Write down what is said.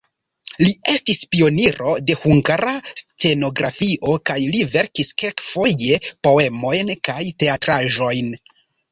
Li estis pioniro de hungara stenografio kaj li verkis kelkfoje poemojn kaj teatraĵojn.